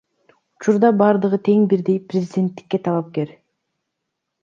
Учурда бардыгы тең бирдей президенттикке талапкер.